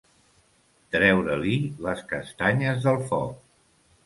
Treure-li les castanyes del foc.